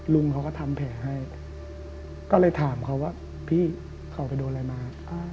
ลุงเขาก็ทำแผลให้ก็เลยถามเขาว่าพี่เขาไปโดนอะไรมา